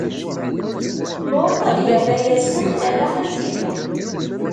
Luṭ irra-yasen: Ala, a Sidi!